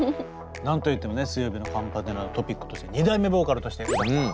何と言ってもね水曜日のカンパネラのトピックとして２代目ボーカルとして詩羽さん。